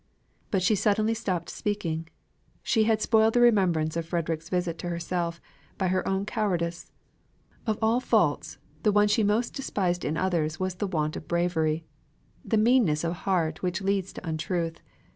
But she suddenly stopped speaking. She had spoiled the remembrance of Frederick's visit to herself by her own cowardice. Of all faults the one she most despised in others was the want of bravery; the meanness of heart which leads to untruth.